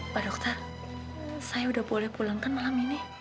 pak dokter saya udah boleh pulangkan malam ini